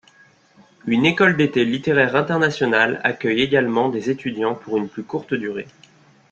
Une école d'été littéraire internationale accueille également des étudiants pour une plus courte durée.